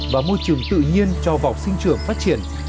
và môi trường tự nhiên cho vọc sinh trưởng phát triển